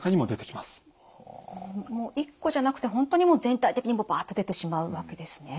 １個じゃなくて本当にもう全体的にバッと出てしまうわけですね。